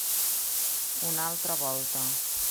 Una altra volta.